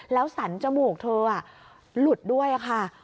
แล้วสันจมูกเธอหลุดด้วยค่ะ